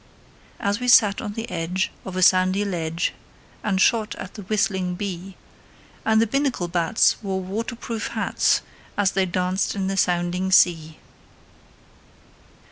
And we sat on the edge of a sandy ledge And shot at the whistling bee; And the Binnacle bats wore water proof hats As they danced in the sounding sea.